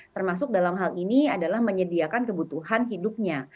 termasuk dalam hal ini adalah menyediakan kebutuhan hidupnya